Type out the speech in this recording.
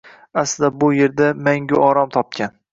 Aslida bu yerda mangu orom topgan.